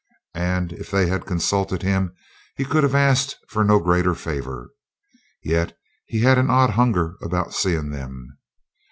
And if they had consulted him he could have asked for no greater favor. Yet he had an odd hunger about seeing them.